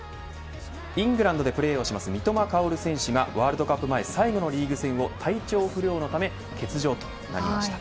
イングランドでプレーをします三笘薫選手が、ワールドカップ前最後のリーグ戦を体調不良のため欠場となりました。